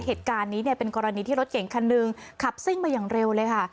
เหตุการณ์นี้เนี่ยเป็นกรณีที่รถเก่งคันหนึ่งขับซิ่งมาอย่างเร็วเลยค่ะ